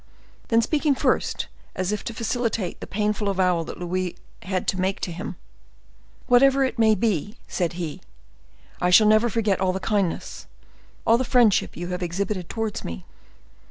Then, speaking first, as if to facilitate the painful avowal that Louis had to make to him,— "Whatever it may be," said he, "I shall never forget all the kindness, all the friendship you have exhibited towards me."